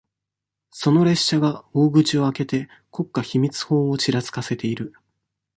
その列車が、大口を開けて、国家秘密法をちらつかせている。